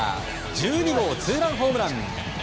１２号ツーランホームラン！